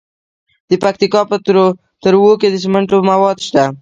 د پکتیکا په تروو کې د سمنټو مواد شته.